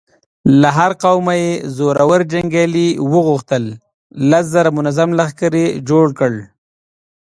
له هر قومه يې زړور جنګيالي وغوښتل، لس زره منظم لښکر يې جوړ کړ.